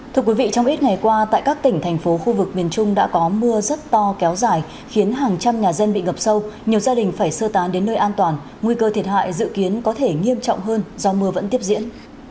thưa quý vị trong ít ngày qua tại các tỉnh thành phố khu vực miền trung đã có mưa rất to kéo dài khiến hàng trăm nhà dân bị ngập sâu nhiều gia đình phải sơ tán đến nơi an toàn nguy cơ thiệt hại dự kiến có thể nghiêm trọng hơn do mưa vẫn tiếp diễn